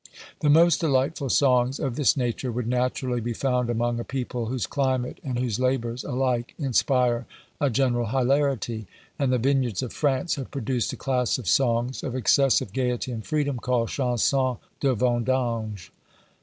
The most delightful songs of this nature would naturally be found among a people whose climate and whose labours alike inspire a general hilarity; and the vineyards of France have produced a class of songs, of excessive gaiety and freedom, called Chansons de Vendange.